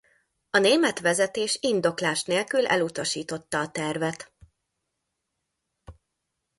A német vezetés indoklás nélkül elutasította a tervet.